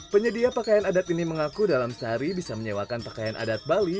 penyedia pakaian adat ini mengaku dalam sehari bisa menyewakan pakaian adat bali